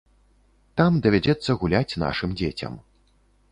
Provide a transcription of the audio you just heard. Там давядзецца гуляць нашым дзецям.